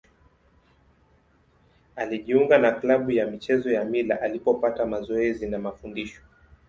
Alijiunga na klabu ya michezo ya Mila alipopata mazoezi na mafundisho.